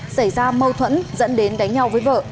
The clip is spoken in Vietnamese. xảy ra mâu thuẫn dẫn đến đánh nhau với vợ